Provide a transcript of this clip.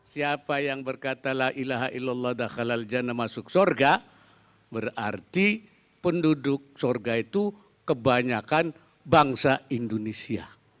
siapa yang berkatalah ilaha illallah dakhalal jana masuk surga berarti penduduk surga itu kebanyakan bangsa indonesia